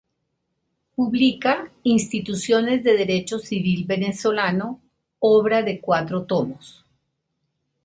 Publica "Instituciones de Derecho Civil Venezolano", obra de cuatro tomos.